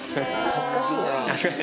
恥ずかしいなあ。